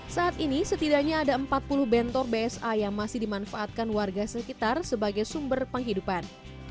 saat ini setidaknya ada empat puluh bentor bsa yang masih dimanfaatkan warga sekitar sebagai sumber penghidupan